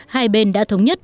hai bên đã thống nhất